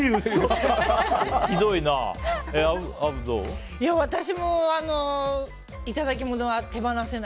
ひどいな。